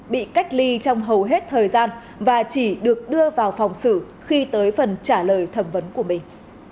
bị cách ly trong hầu hết thời gian và chỉ được đưa vào phòng xử khi tới phần trả lời thẩm vấn của mình